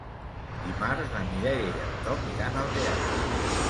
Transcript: Dimarts na Mireia i en Tom iran al teatre.